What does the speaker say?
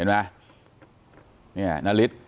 นี่นาริส